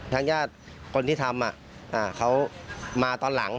ญาติคนที่ทำเขามาตอนหลัง